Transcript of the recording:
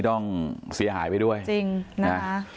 ต้องเสียหายไปด้วยจริงนะคะ